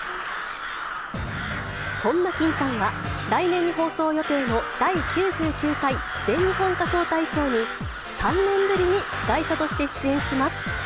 そんな欽ちゃんは、来年に放送予定の第９９回全日本仮装大賞に、３年ぶりに司会者として出演します。